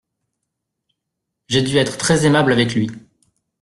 J’ai dû être très aimable avec lui.